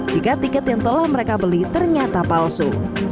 jika tiket yang telah mereka beli ternyata palsu